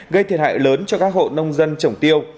gây thiệt hại lớn cho các hộ nông dân trồng tiêu